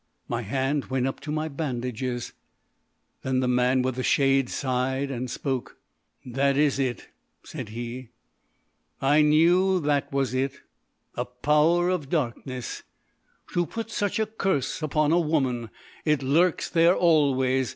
My hand went up to my bandages. Then the man with the shade sighed and spoke. "That is it," said he. "I knew that was it. A Power of Darkness. To put such a curse upon a woman! It lurks there always.